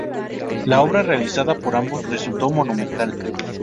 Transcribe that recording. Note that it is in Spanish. La obra realizada por ambos resultó monumental.